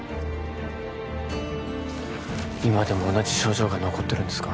今でも同じ症状が残ってるんですか